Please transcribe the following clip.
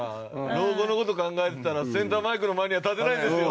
「老後の事考えてたらセンターマイクの前には立てないんですよ！」